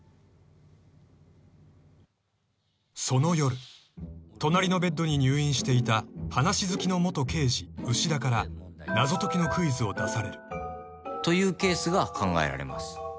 ［その夜隣のベッドに入院していた話し好きの元刑事牛田から謎解きのクイズを出される］というケースが考えられます。